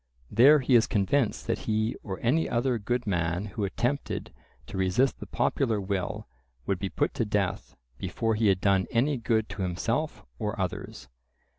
There he is convinced that he or any other good man who attempted to resist the popular will would be put to death before he had done any good to himself or others.